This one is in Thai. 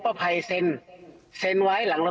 ทนายเกิดผลครับ